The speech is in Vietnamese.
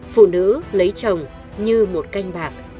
phụ nữ lấy chồng như một canh bạc